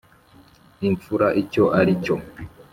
imfura icyo aricyo.